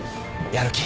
やる気？